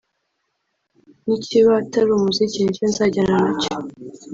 nikiba atari umuziki nicyo nzajyana nacyo